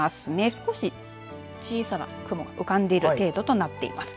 少し小さな雲が浮かんでいる程度となっています。